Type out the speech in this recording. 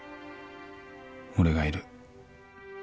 俺がいる